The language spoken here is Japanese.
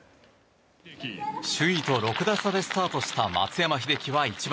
首位と６打差でスタートした松山英樹は１番。